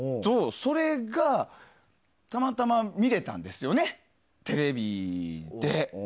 それがたまたま見れたんですよテレビで。